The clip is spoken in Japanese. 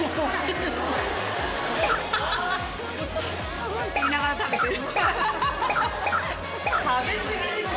フンフンって言いながら食べてる。